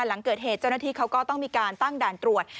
หลังเกิดเหตุเจ้าหน้าที่เขาก็ต้องมีการตั้งด่านตรวจ